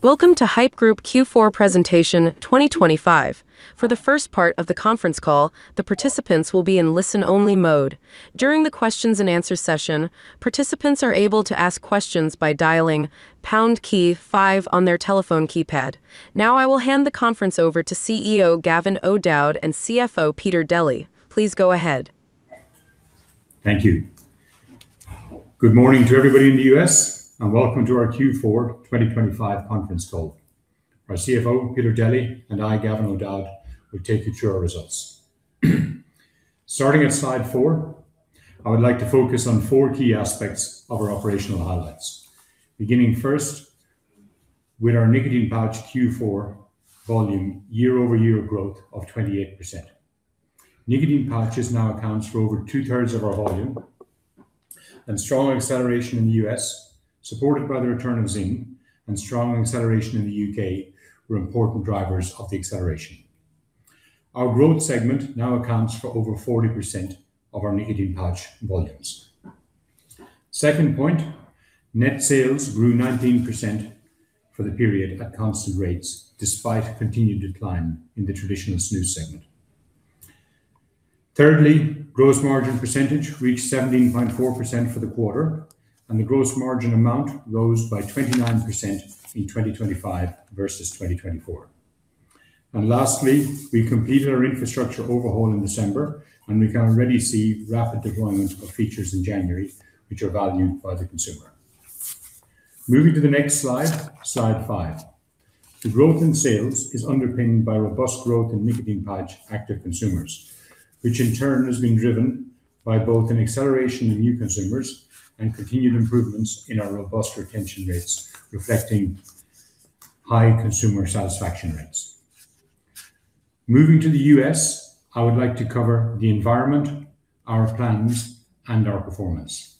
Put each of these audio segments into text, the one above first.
Welcome to Haypp Group Q4 Presentation 2025. For the first part of the conference call, the participants will be in listen-only mode. During the questions and answer session, participants are able to ask questions by dialing pound key five on their telephone keypad. Now, I will hand the conference over to CEO, Gavin O'Dowd, and CFO, Peter Deli. Please go ahead. Thank you. Good morning to everybody in the U.S., and welcome to our Q4 2025 conference call. Our CFO, Peter Deli, and I, Gavin O'Dowd, will take you through our results. Starting at slide four, I would like to focus on four key aspects of our operational highlights. Beginning first with our nicotine pouch Q4 volume, year-over-year growth of 28%. Nicotine pouches now accounts for over 2/3 of our volume, and strong acceleration in the U.S., supported by the return of ZYN and strong acceleration in the U.K., were important drivers of the acceleration. Our growth segment now accounts for over 40% of our nicotine pouch volumes. Second point, net sales grew 19% for the period at constant rates, despite continued decline in the traditional snus segment. Thirdly, gross margin percentage reached 17.4% for the quarter, and the gross margin amount rose by 29% in 2025 versus 2024. Lastly, we completed our infrastructure overhaul in December, and we can already see rapid deployment of features in January, which are valued by the consumer. Moving to the next slide, slide five. The growth in sales is underpinned by robust growth in nicotine pouch active consumers, which in turn has been driven by both an acceleration in new consumers and continued improvements in our robust retention rates, reflecting high consumer satisfaction rates. Moving to the U.S., I would like to cover the environment, our plans, and our performance.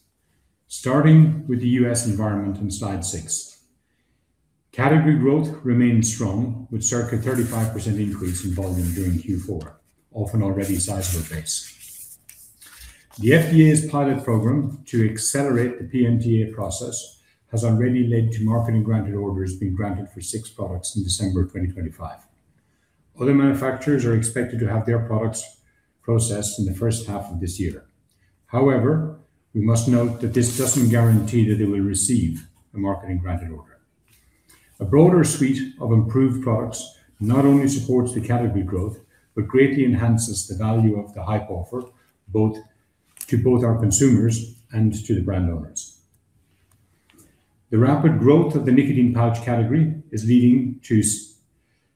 Starting with the U.S. environment on slide six. Category growth remained strong, with circa 35% increase in volume during Q4, off an already sizable base. The FDA's pilot program to accelerate the PMTA process has already led to marketing granted orders being granted for six products in December 2025. Other manufacturers are expected to have their products processed in the first half of this year. However, we must note that this doesn't guarantee that they will receive a marketing granted order. A broader suite of improved products not only supports the category growth, but greatly enhances the value of the Haypp offer, both to both our consumers and to the brand owners. The rapid growth of the nicotine pouch category is leading to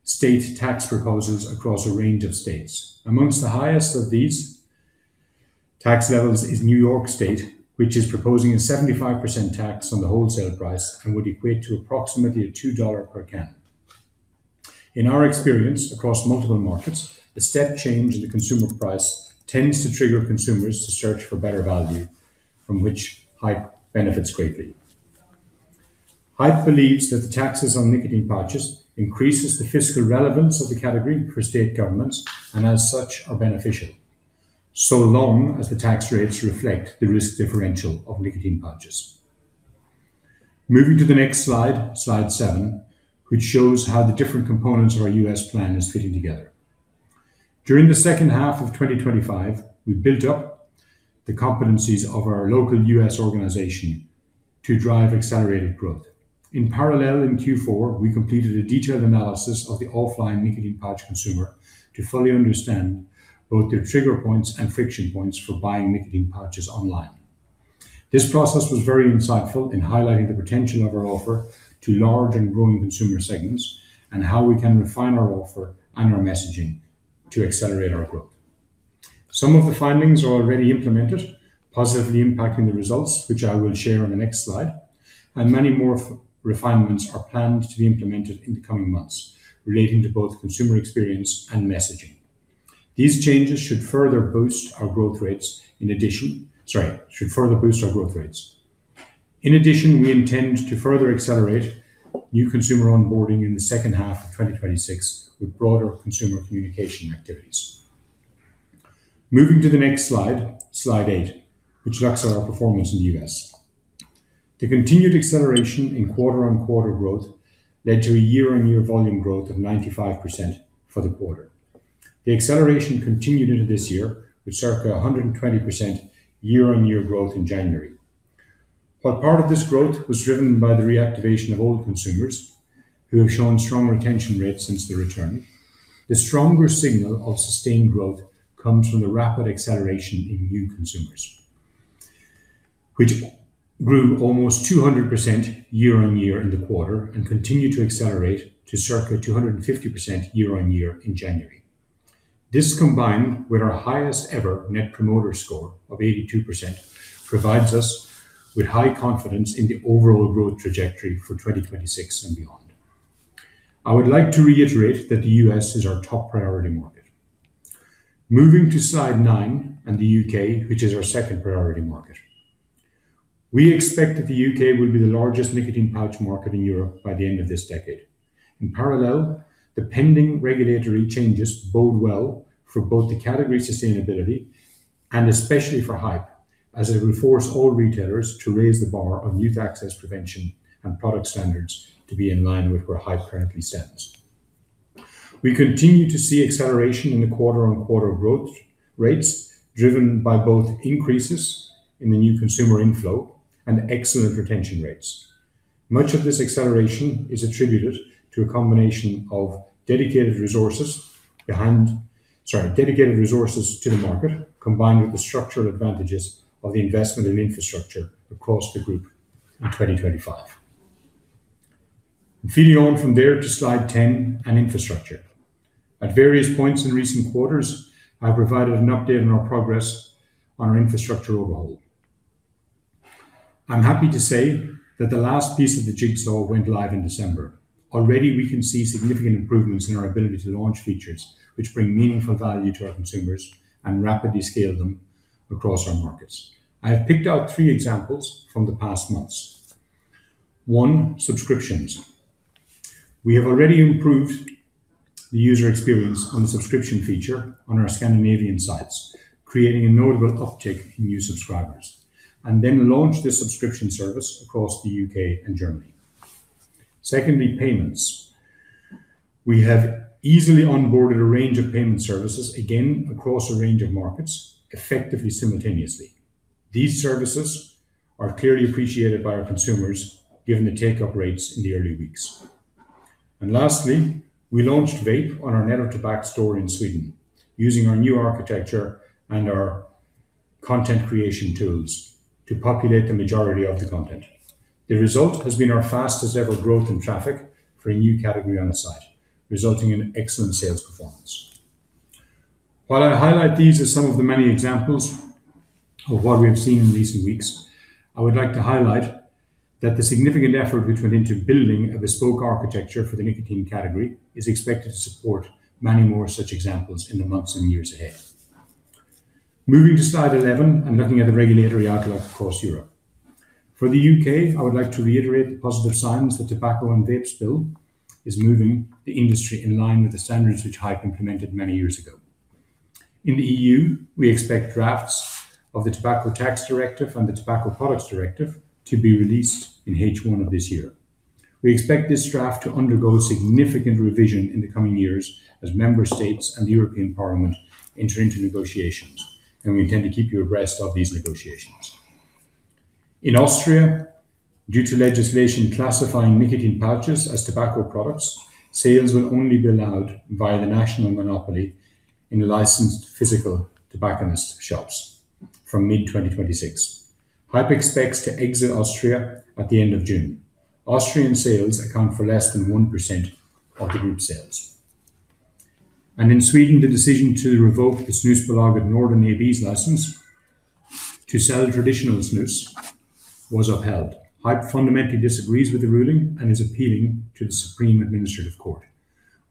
state tax proposals across a range of states. Among the highest of these tax levels is New York State, which is proposing a 75% tax on the wholesale price and would equate to approximately $2 per can. In our experience across multiple markets, the step change in the consumer price tends to trigger consumers to search for better value, from which Haypp benefits greatly. Haypp believes that the taxes on nicotine pouches increase the fiscal relevance of the category for state governments, and as such, are beneficial, so long as the tax rates reflect the risk differential of nicotine pouches. Moving to the next slide, slide seven, which shows how the different components of our U.S. plan are fitting together. During the second half of 2025, we built up the competencies of our local U.S. organization to drive accelerated growth. In parallel, in Q4, we completed a detailed analysis of the offline nicotine pouch consumer to fully understand both their trigger points and friction points for buying nicotine pouches online. This process was very insightful in highlighting the potential of our offer to large and growing consumer segments, and how we can refine our offer and our messaging to accelerate our growth. Some of the findings are already implemented, positively impacting the results, which I will share on the next slide, and many more refinements are planned to be implemented in the coming months relating to both consumer experience and messaging. These changes should further boost our growth rates in addition... Sorry, should further boost our growth rates. In addition, we intend to further accelerate new consumer onboarding in the second half of 2026 with broader consumer communication activities. Moving to the next slide, slide eight, which looks at our performance in the U.S. The continued acceleration in quarter-on-quarter growth led to a year-on-year volume growth of 95% for the quarter. The acceleration continued into this year, with circa 120% year-on-year growth in January. But part of this growth was driven by the reactivation of old consumers, who have shown strong retention rates since their return. The stronger signal of sustained growth comes from the rapid acceleration in new consumers, which grew almost 200% year-on-year in the quarter and continued to accelerate to circa 250% year-on-year in January. This, combined with our highest ever Net Promoter Score of 82%, provides us with high confidence in the overall growth trajectory for 2026 and beyond. I would like to reiterate that the U.S. is our top priority market. Moving to slide nine and the U.K., which is our second priority market. We expect that the U.K. will be the largest nicotine pouch market in Europe by the end of this decade. In parallel, the pending regulatory changes bode well for both the category sustainability and especially for Haypp, as it will force all retailers to raise the bar on youth access prevention and product standards to be in line with where Haypp currently stands. We continue to see acceleration in the quarter-on-quarter growth rates, driven by both increases in the new consumer inflow and excellent retention rates. Much of this acceleration is attributed to a combination of dedicated resources to the market, combined with the structural advantages of the investment in infrastructure across the group in 2025. Feeding on from there to slide 10 and infrastructure. At various points in recent quarters, I provided an update on our progress on our infrastructure overhaul. I'm happy to say that the last piece of the jigsaw went live in December. Already, we can see significant improvements in our ability to launch features, which bring meaningful value to our consumers and rapidly scale them across our markets. I have picked out three examples from the past months. One, subscriptions. We have already improved the user experience on the subscription feature on our Scandinavian sites, creating a notable uptick in new subscribers, and then launched this subscription service across the U.K. and Germany. Secondly, payments. We have easily onboarded a range of payment services, again, across a range of markets, effectively, simultaneously. These services are clearly appreciated by our consumers, given the take-up rates in the early weeks. Lastly, we launched Vape on our Nettotobak store in Sweden, using our new architecture and our content creation tools to populate the majority of the content. The result has been our fastest ever growth in traffic for a new category on the site, resulting in excellent sales performance. While I highlight these as some of the many examples of what we have seen in recent weeks, I would like to highlight that the significant effort which went into building a bespoke architecture for the nicotine category is expected to support many more such examples in the months and years ahead. Moving to slide 11 and looking at the regulatory outlook across Europe. For the U.K., I would like to reiterate the positive signs the Tobacco and Vapes Bill is moving the industry in line with the standards which Haypp implemented many years ago. In the EU, we expect drafts of the Tobacco Tax Directive and the Tobacco Products Directive to be released in H1 of this year. We expect this draft to undergo significant revision in the coming years as member states and the European Parliament enter into negotiations, and we intend to keep you abreast of these negotiations. In Austria, due to legislation classifying nicotine pouches as tobacco products, sales will only be allowed via the national monopoly in licensed physical tobacconist shops from mid-2026. Haypp expects to exit Austria at the end of June. Austrian sales account for less than 1% of the group sales. In Sweden, the decision to revoke the Snusbolaget Norden AB's license to sell traditional snus was upheld. Haypp fundamentally disagrees with the ruling and is appealing to the Supreme Administrative Court.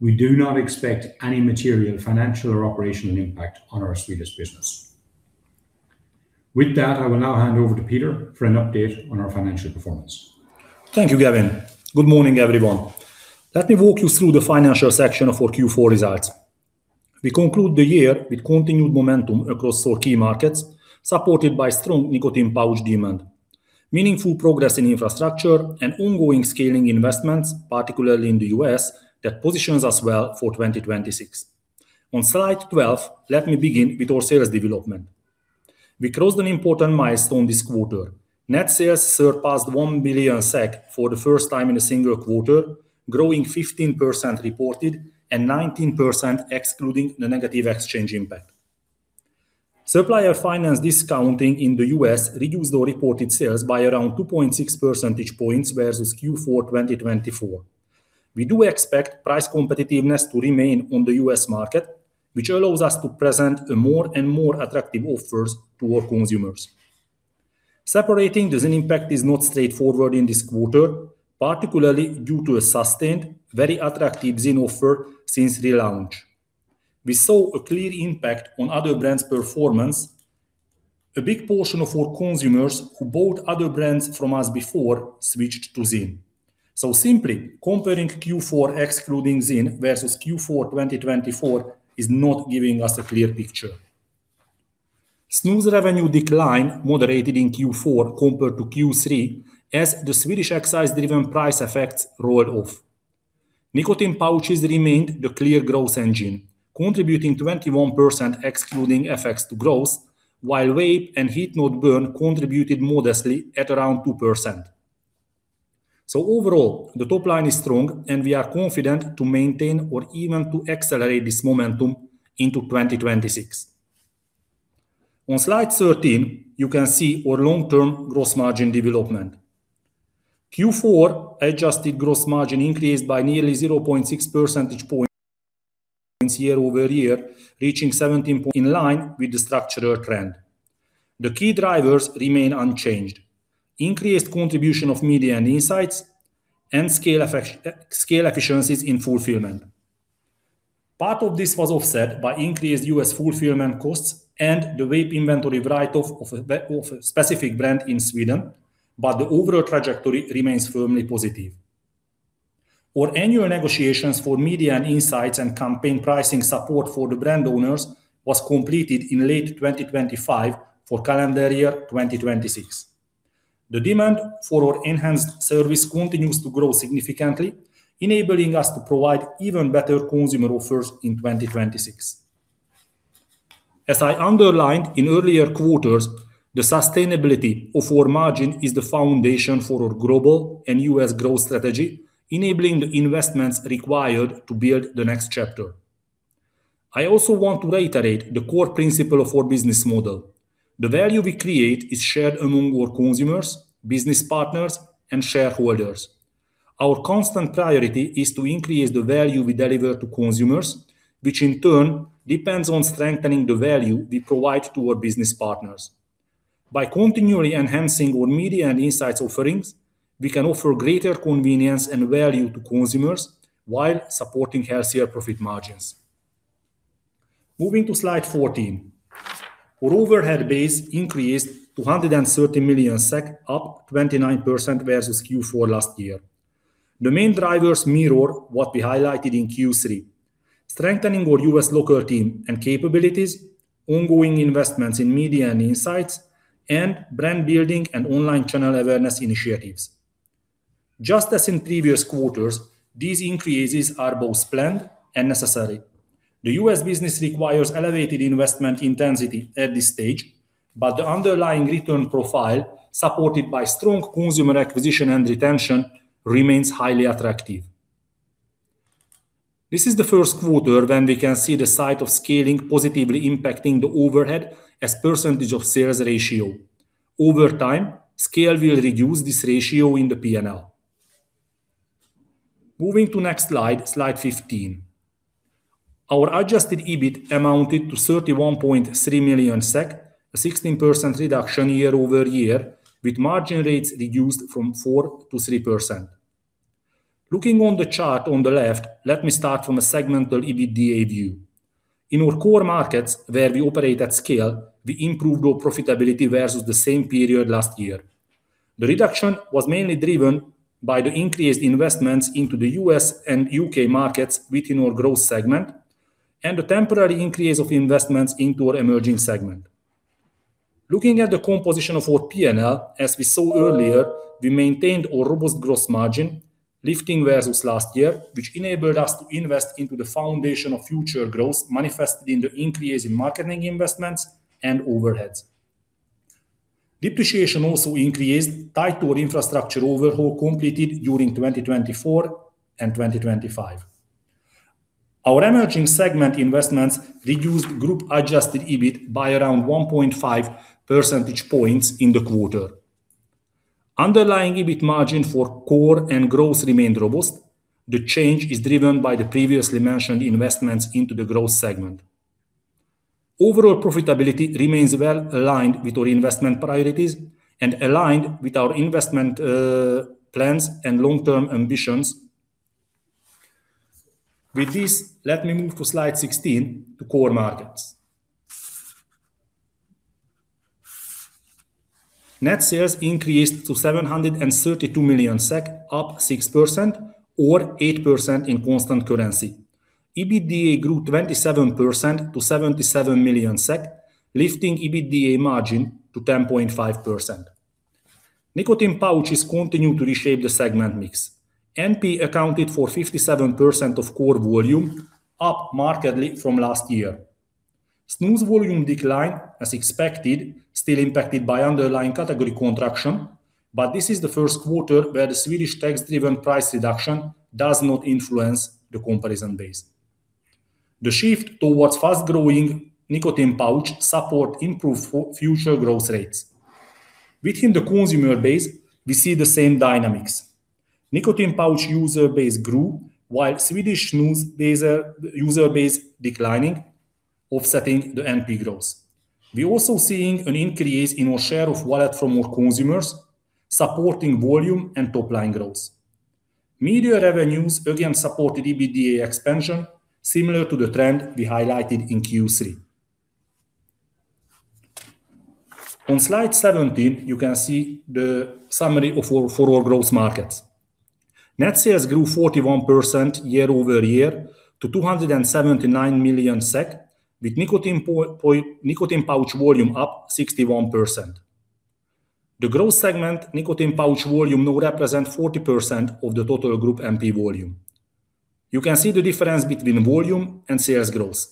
We do not expect any material, financial or operational impact on our Swedish business. With that, I will now hand over to Peter for an update on our financial performance. Thank you, Gavin. Good morning, everyone. Let me walk you through the financial section of our Q4 results. We conclude the year with continued momentum across all key markets, supported by strong nicotine pouch demand, meaningful progress in infrastructure and ongoing scaling investments, particularly in the U.S., that positions us well for 2026. On slide 12, let me begin with our sales development. We crossed an important milestone this quarter. Net sales surpassed 1 billion SEK for the first time in a single quarter, growing 15% reported and 19%, excluding the negative exchange impact. Supplier finance discounting in the U.S. reduced our reported sales by around 2.6 percentage points versus Q4 2024. We do expect price competitiveness to remain on the U.S. market, which allows us to present a more and more attractive offers to our consumers. Separating the ZYN impact is not straightforward in this quarter, particularly due to a sustained, very attractive ZYN offer since relaunch. We saw a clear impact on other brands' performance. A big portion of our consumers who bought other brands from us before switched to ZYN. So simply comparing Q4, excluding ZYN, versus Q4 2024 is not giving us a clear picture. Snus revenue decline moderated in Q4 compared to Q3, as the Swedish excise-driven price effects rolled off. Nicotine pouches remained the clear growth engine, contributing 21%, excluding FX to growth, while vape and heat-not-burn contributed modestly at around 2%. So overall, the top line is strong, and we are confident to maintain or even to accelerate this momentum into 2026. On slide 13, you can see our long-term gross margin development. Q4 adjusted gross margin increased by nearly 0.6 percentage point, year-over-year, reaching 17%, in line with the structural trend. The key drivers remain unchanged, increased contribution of Media & Insights and scale efficiencies in fulfillment. Part of this was offset by increased U.S. fulfillment costs and the vape inventory write-off of a specific brand in Sweden, but the overall trajectory remains firmly positive. Our annual negotiations for Media & Insights and campaign pricing support for the brand owners was completed in late 2025 for calendar year 2026. The demand for our enhanced service continues to grow significantly, enabling us to provide even better consumer offers in 2026. As I underlined in earlier quarters, the sustainability of our margin is the foundation for our global and U.S. growth strategy, enabling the investments required to build the next chapter. I also want to reiterate the core principle of our business model. The value we create is shared among our consumers, business partners, and shareholders. Our constant priority is to increase the value we deliver to consumers, which in turn depends on strengthening the value we provide to our business partners. By continually enhancing our media and insights offerings, we can offer greater convenience and value to consumers while supporting healthier profit margins. Moving to slide 14. Our overhead base increased to 130 million SEK, up 29% versus Q4 last year. The main drivers mirror what we highlighted in Q3, strengthening our U.S. local team and capabilities, ongoing investments in media and insights, and brand building and online channel awareness initiatives. Just as in previous quarters, these increases are both planned and necessary. The U.S. business requires elevated investment intensity at this stage, but the underlying return profile, supported by strong consumer acquisition and retention, remains highly attractive. This is the first quarter when we can see the sight of scaling positively impacting the overhead as percentage of sales ratio. Over time, scale will reduce this ratio in the PNL. Moving to next slide, slide 15. Our adjusted EBIT amounted to 31.3 million SEK, a 16% reduction year-over-year, with margin rates reduced from 4%-3%. Looking on the chart on the left, let me start from a segmental EBITDA view. In our core markets, where we operate at scale, we improved our profitability versus the same period last year. The reduction was mainly driven by the increased investments into the U.S. and U.K. markets within our growth segment and the temporary increase of investments into our emerging segment. Looking at the composition of our PNL, as we saw earlier, we maintained our robust gross margin, lifting versus last year, which enabled us to invest into the foundation of future growth, manifested in the increase in marketing investments and overheads. Depreciation also increased, tied to our infrastructure overhaul completed during 2024 and 2025. Our emerging segment investments reduced group-adjusted EBIT by around 1.5 percentage points in the quarter. Underlying EBIT margin for core and growth remained robust. The change is driven by the previously mentioned investments into the growth segment. Overall profitability remains well aligned with our investment priorities and aligned with our investment plans and long-term ambitions. With this, let me move to slide 16, to core markets. Net sales increased to 732 million SEK, up 6% or 8% in constant currency. EBITDA grew 27% to 77 million SEK, lifting EBITDA margin to 10.5%. Nicotine pouches continue to reshape the segment mix. NP accounted for 57% of core volume, up markedly from last year. Smooth volume decline, as expected, still impacted by underlying category contraction, but this is the first quarter where the Swedish tax-driven price reduction does not influence the comparison base. The shift towards fast-growing nicotine pouch support improve future growth rates. Within the consumer base, we see the same dynamics. Nicotine pouch user base grew, while Swedish snus user base declining, offsetting the NP growth. We also seeing an increase in our share of wallet from our consumers, supporting volume and top-line growth. Media revenues again supported EBITDA expansion, similar to the trend we highlighted in Q3. On slide 17, you can see the summary of our growth markets. Net sales grew 41% year-over-year to SEK 279 million, with nicotine pouch volume up 61%. The growth segment, nicotine pouch volume now represent 40% of the total group NP volume. You can see the difference between volume and sales growth.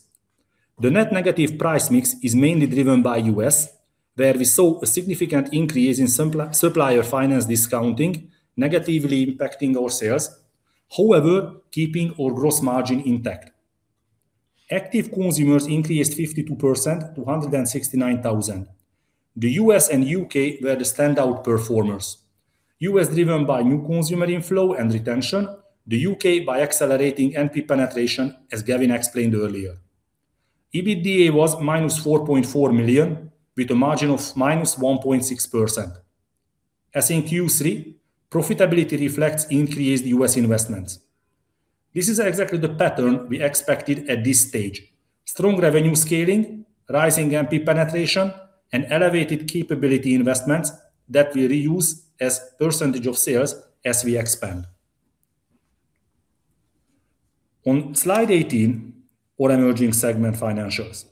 The net negative price mix is mainly driven by U.S., where we saw a significant increase in supplier finance discounting, negatively impacting our sales, however, keeping our gross margin intact. Active consumers increased 52% to 169,000. The U.S. and U.K. were the standout performers. U.S., driven by new consumer inflow and retention, the U.K. by accelerating NP penetration, as Gavin explained earlier. EBITDA was -4.4 million, with a margin of -1.6%.... As in Q3, profitability reflects increased U.S. investments. This is exactly the pattern we expected at this stage. Strong revenue scaling, rising MP penetration, and elevated capability investments that we reuse as percentage of sales as we expand. On slide 18, our emerging segment financials.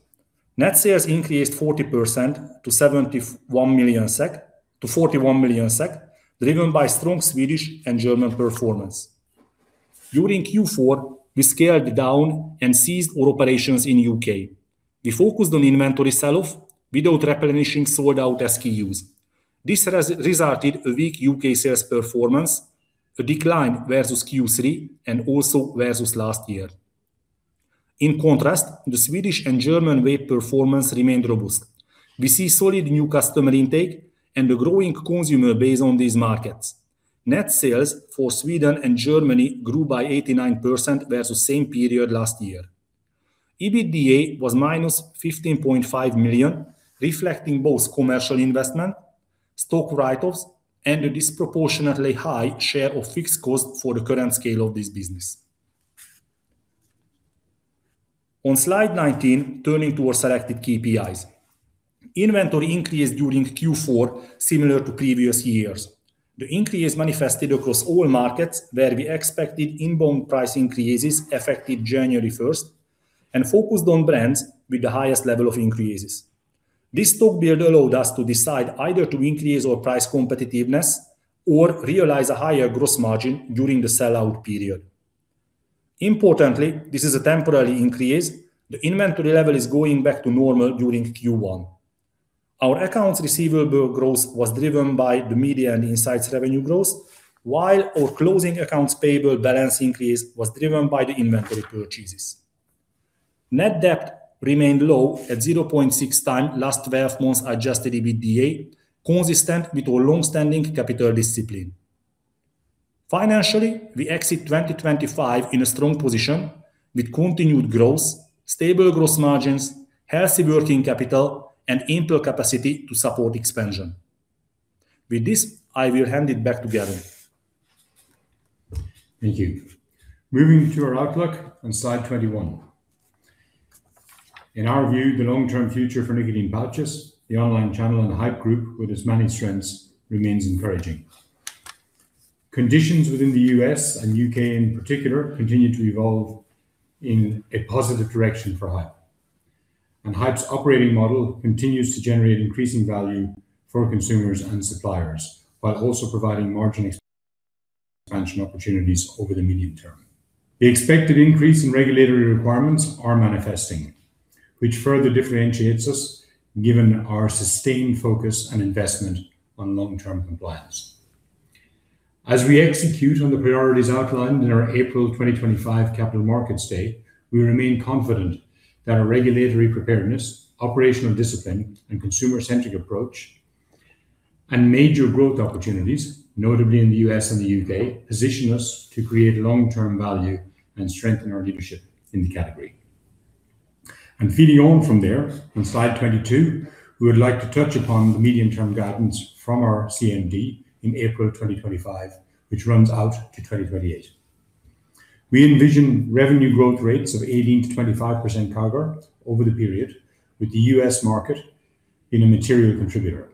Net sales increased 40% to 71 million SEK from 41 million SEK, driven by strong Swedish and German performance. During Q4, we scaled down and ceased all operations in U.K.. We focused on inventory sell-off without replenishing sold-out SKUs. This resulted in a weak U.K. sales performance, a decline versus Q3, and also versus last year. In contrast, the Swedish and German vape performance remained robust. We see solid new customer intake and a growing consumer base on these markets. Net sales for Sweden and Germany grew by 89% versus same period last year. EBITDA was -15.5 million, reflecting both commercial investment, stock write-offs, and a disproportionately high share of fixed costs for the current scale of this business. On slide 19, turning to our selected KPIs. Inventory increased during Q4, similar to previous years. The increase manifested across all markets where we expected inbound price increases affected January first and focused on brands with the highest level of increases. This stock build allowed us to decide either to increase our price competitiveness or realize a higher gross margin during the sell-out period. Importantly, this is a temporary increase. The inventory level is going back to normal during Q1. Our accounts receivable growth was driven by the media and insights revenue growth, while our closing accounts payable balance increase was driven by the inventory purchases. Net debt remained low at 0.6x last 12 months adjusted EBITDA, consistent with our long-standing capital discipline. Financially, we exit 2025 in a strong position with continued growth, stable gross margins, healthy working capital, and ample capacity to support expansion. With this, I will hand it back to Gavin. Thank you. Moving to our outlook on slide 21. In our view, the long-term future for nicotine pouches, the online channel, and the Haypp Group, with its many strengths, remains encouraging. Conditions within the U.S. and U.K. in particular, continue to evolve in a positive direction for Haypp, and Haypp's operating model continues to generate increasing value for consumers and suppliers, while also providing margin expansion opportunities over the medium term. The expected increase in regulatory requirements are manifesting, which further differentiates us, given our sustained focus and investment on long-term compliance. As we execute on the priorities outlined in our April 2025 Capital Markets Day, we remain confident that our regulatory preparedness, operational discipline, and consumer-centric approach, and major growth opportunities, notably in the U.S. and the U.K., position us to create long-term value and strengthen our leadership in the category. Building on from there, on slide 22, we would like to touch upon the medium-term guidance from our CMD in April 2025, which runs out to 2028. We envision revenue growth rates of 18%-25% CAGR over the period, with the U.S. market being a material contributor.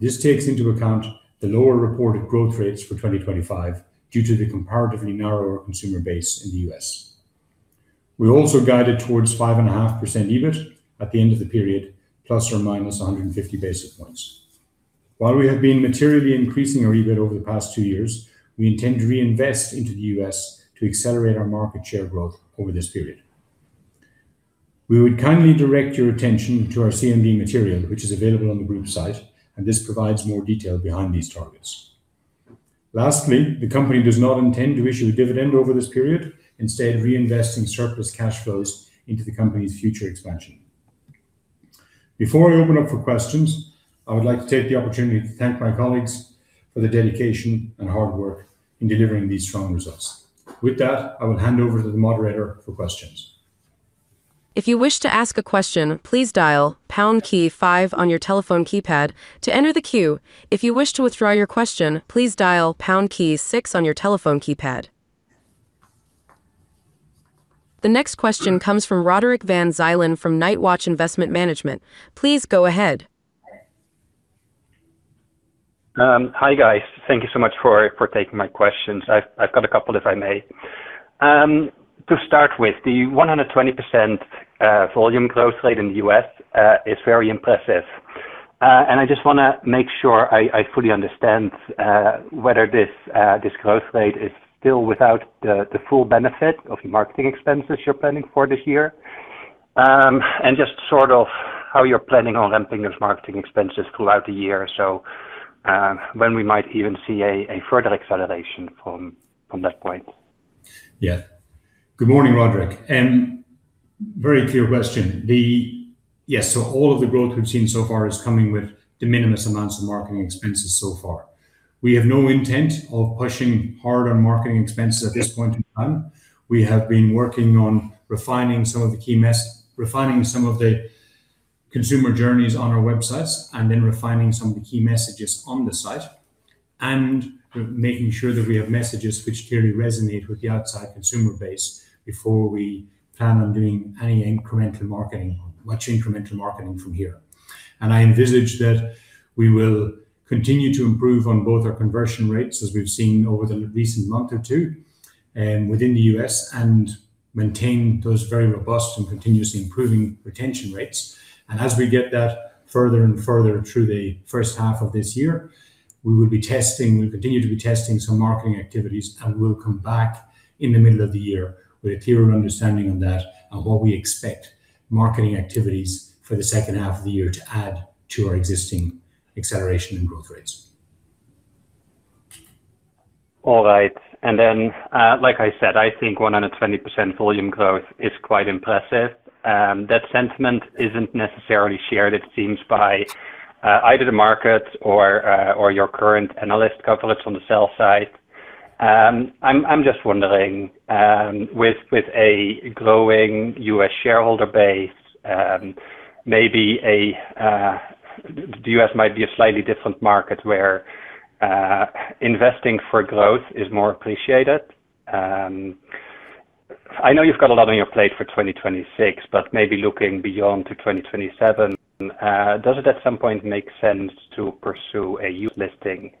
This takes into account the lower reported growth rates for 2025 due to the comparatively narrower consumer base in the U.S. We also guided towards 5.5% EBIT at the end of the period, ±150 basis points. While we have been materially increasing our EBIT over the past two years, we intend to reinvest into the U.S. to accelerate our market share growth over this period. We would kindly direct your attention to our CMD material, which is available on the group site, and this provides more detail behind these targets. Lastly, the company does not intend to issue a dividend over this period, instead reinvesting surplus cash flows into the company's future expansion. Before I open up for questions, I would like to take the opportunity to thank my colleagues for their dedication and hard work in delivering these strong results. With that, I will hand over to the moderator for questions. If you wish to ask a question, please dial pound key five on your telephone keypad to enter the queue. If you wish to withdraw your question, please dial pound key six on your telephone keypad. The next question comes from Roderick van Zuylen from Nightwatch Investment Management. Please go ahead. Hi, guys. Thank you so much for taking my questions. I've got a couple, if I may. To start with, the 120% volume growth rate in the U.S. is very impressive. And I just wanna make sure I fully understand whether this growth rate is still without the full benefit of the marketing expenses you're planning for this year. And just sort of how you're planning on ramping those marketing expenses throughout the year. So, when we might even see a further acceleration from that point? Yeah. Good morning, Roderick, and very clear question. Yes, so all of the growth we've seen so far is coming with de minimis amounts of marketing expenses so far. We have no intent of pushing hard on marketing expenses at this point in time. We have been working on refining some of the key consumer journeys on our websites, and then refining some of the key messages on the site, and making sure that we have messages which clearly resonate with the outside consumer base before we plan on doing any incremental marketing, much incremental marketing from here. I envisage that we will continue to improve on both our conversion rates, as we've seen over the recent month or two, within the U.S., and maintain those very robust and continuously improving retention rates. As we get that further and further through the first half of this year, we'll continue to be testing some marketing activities, and we'll come back in the middle of the year with a clearer understanding on that and what we expect marketing activities for the second half of the year to add to our existing acceleration and growth rates. All right. And then, like I said, I think 100% volume growth is quite impressive. That sentiment isn't necessarily shared, it seems, by either the market or your current analyst coverage on the sell side. I'm just wondering, with a growing U.S. shareholder base, maybe the U.S. might be a slightly different market where investing for growth is more appreciated. I know you've got a lot on your plate for 2026, but maybe looking beyond to 2027, does it at some point make sense to pursue a U.S. listing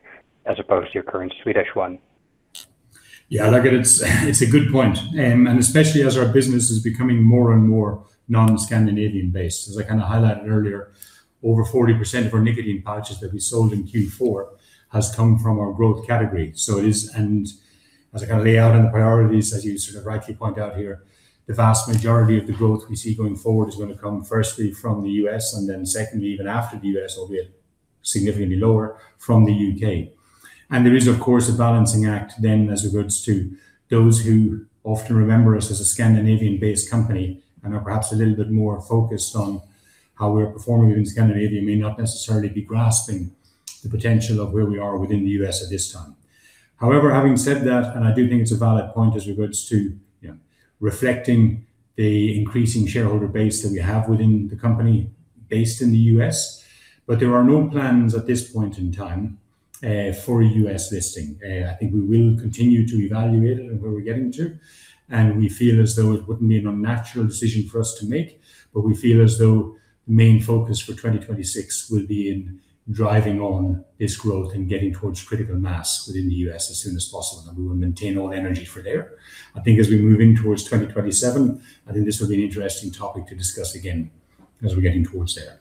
as opposed to your current Swedish one? Yeah, look, it's, it's a good point. And especially as our business is becoming more and more non-Scandinavian-based. As I kinda highlighted earlier, over 40% of our nicotine pouches that we sold in Q4 has come from our growth category. So it is... And as I kind of lay out in the priorities, as you sort of rightly point out here, the vast majority of the growth we see going forward is gonna come firstly from the U.S., and then secondly, even after the U.S., albeit significantly lower, from the U.K. And there is, of course, a balancing act then as it relates to those who often remember us as a Scandinavian-based company and are perhaps a little bit more focused on how we're performing within Scandinavia, may not necessarily be grasping the potential of where we are within the U.S. at this time. However, having said that, and I do think it's a valid point as regards to, you know, reflecting the increasing shareholder base that we have within the company based in the U.S., but there are no plans at this point in time for a U.S. listing. I think we will continue to evaluate it and where we're getting to, and we feel as though it wouldn't be an unnatural decision for us to make. But we feel as though the main focus for 2026 will be in driving on this growth and getting towards critical mass within the U.S. as soon as possible, and we will maintain all energy for there. I think as we move in towards 2027, I think this will be an interesting topic to discuss again, as we're getting towards there.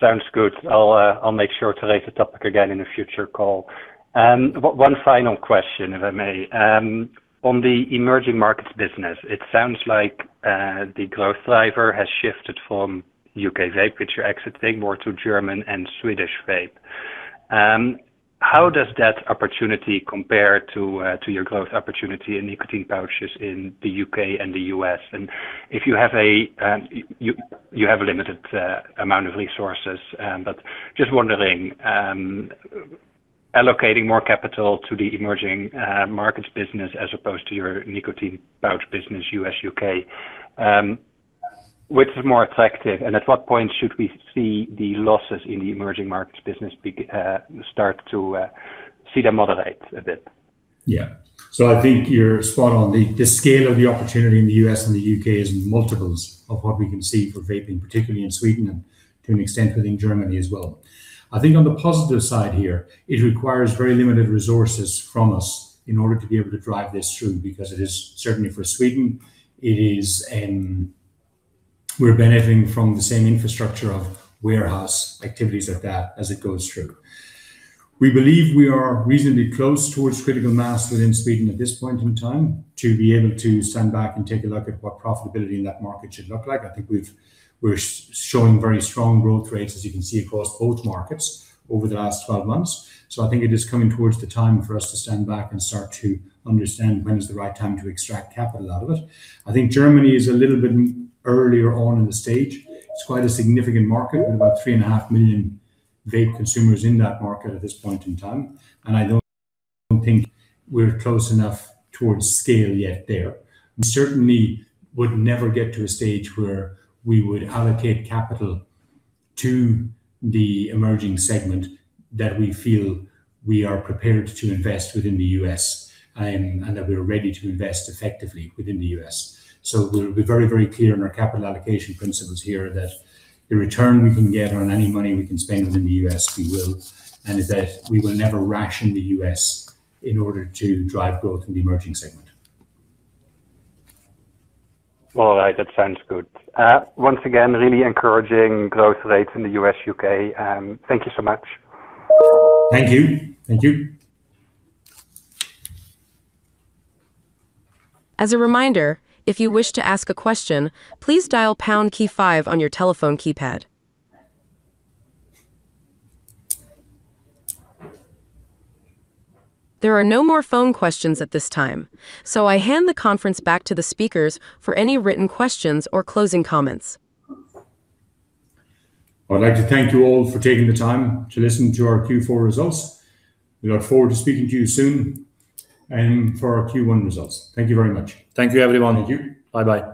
Sounds good. I'll, I'll make sure to raise the topic again in a future call. One final question, if I may. On the emerging markets business, it sounds like the growth driver has shifted from UK vape, which you're exiting, more to German and Swedish vape. How does that opportunity compare to, to your growth opportunity in nicotine pouches in the U.K. and the U.S.? And if you have a, you, you have a limited amount of resources, but just wondering, allocating more capital to the emerging markets business as opposed to your nicotine pouch business, U.S., U.K., which is more attractive, and at what point should we see the losses in the emerging markets business be, start to, see them moderate a bit? Yeah. So I think you're spot on. The scale of the opportunity in the U.S. and the U.K. is multiples of what we can see for vaping, particularly in Sweden and to an extent within Germany as well. I think on the positive side here, it requires very limited resources from us in order to be able to drive this through, because it is, certainly for Sweden, it is. We're benefiting from the same infrastructure of warehouse activities like that as it goes through. We believe we are reasonably close towards critical mass within Sweden at this point in time, to be able to stand back and take a look at what profitability in that market should look like. I think we're showing very strong growth rates, as you can see, across both markets over the last 12 months. So I think it is coming towards the time for us to stand back and start to understand when is the right time to extract capital out of it. I think Germany is a little bit earlier on in the stage. It's quite a significant market, with about 3.5 million vape consumers in that market at this point in time, and I don't think we're close enough towards scale yet there. We certainly would never get to a stage where we would allocate capital to the emerging segment that we feel we are prepared to invest within the U.S. and, and that we're ready to invest effectively within the U.S. So we're very, very clear in our capital allocation principles here that the return we can get on any money we can spend within the U.S., we will, and is that we will never ration the U.S. in order to drive growth in the emerging segment. All right, that sounds good. Once again, really encouraging growth rates in the U.S., U.K., thank you so much. Thank you. Thank you. As a reminder, if you wish to ask a question, please dial pound key five on your telephone keypad. There are no more phone questions at this time, so I hand the conference back to the speakers for any written questions or closing comments. I'd like to thank you all for taking the time to listen to our Q4 results. We look forward to speaking to you soon, for our Q1 results. Thank you very much. Thank you, everyone. Thank you. Bye-bye.